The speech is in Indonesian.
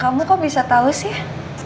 kamu kok bisa tahu sih